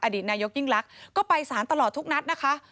ดีตนายกยิ่งลักษณ์ก็ไปสารตลอดทุกนัดนะคะ